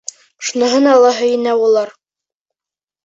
Шуныһына ла һөйөнә улар.